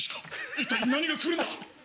一体何が来るんだ？